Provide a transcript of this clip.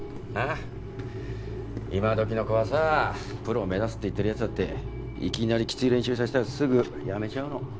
今どきの子はさプロ目指すって言ってる奴だっていきなりきつい練習させたらすぐやめちゃうの。